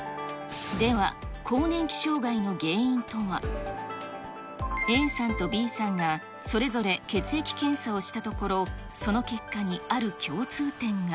では、更年期障害の原因とは。ＡさんとＢさんがそれぞれ血液検査をしたところ、その結果にある共通点が。